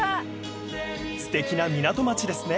［すてきな港町ですね］